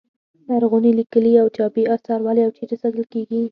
لرغوني لیکلي او چاپي اثار ولې او چیرې ساتل کیږي.